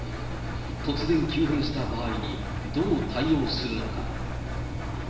突然急変した場合に、どう対応するのか。